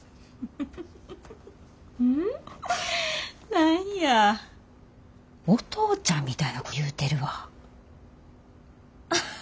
何やお父ちゃんみたいなこと言うてるわ。